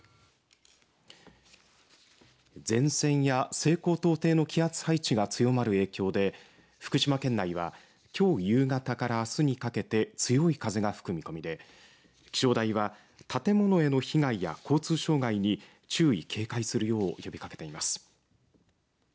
前線や西高東低の気圧配置が強まる影響で福島県内はきょう夕方からあすにかけて強い風が吹く見込みで気象台は建物への被害や交通障害に注意、警戒するよう呼びかけています。